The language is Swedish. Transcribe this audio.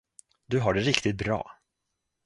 Du har det riktigt bra.